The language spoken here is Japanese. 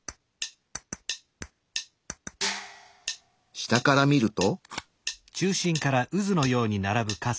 下から見ると。